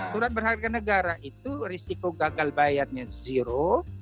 surat berharga negara itu risiko gagal bayarnya zero